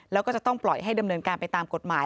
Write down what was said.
แล้วก็จะต้องปล่อยให้ดำเนินการไปตามกฎหมาย